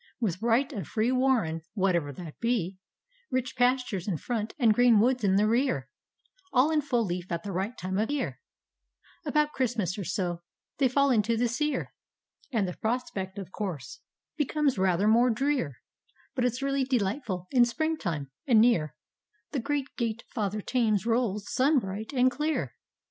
With right of free warren (whatever that be) ; Rich pastures in front, and green woods in the rear, All in full leaf at the right time of year; About Christmas or so, they fall int* the sear, And the prospect, of course, becomes rather more drear; But it's really delightful in spring time, — and near The great gate Father Thames rolls sun bright and clear.